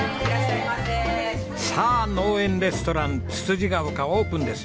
さあ農園レストランつつじヶ丘オープンです。